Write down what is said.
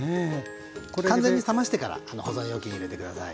完全に冷ましてから保存容器に入れて下さい。